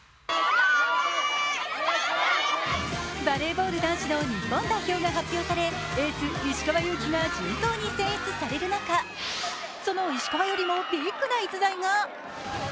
バレーボール男子の日本代表が発表されエース・石川祐希が順当に選出される中その石川よりもビッグな逸材が。